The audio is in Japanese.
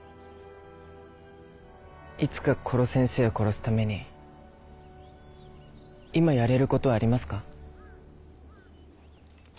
いつか殺せんせーを殺すために今やれることはありますか？